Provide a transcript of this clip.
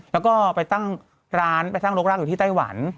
แล้วก็ไปตั้งร้านไปตั้งรกรากอยู่ที่ไต้หวัน